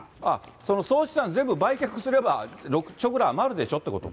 その総資産、全部売却すれば６兆ぐらい余るでしょってことか。